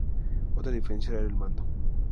Otra diferencia era el mando.